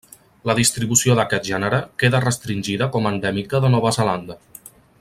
La distribució d'aquest gènere queda restringida com a endèmica de Nova Zelanda.